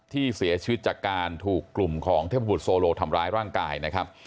ที่เสียชีวิตจากการถูกกลุ่มของเทพบุตรโซโลทำร้ายร่างกายนะครับ